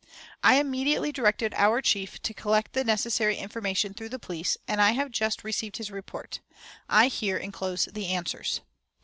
"I immediately directed our chief to collect the necessary information through the police, and I have just received his report: I here inclose the answers.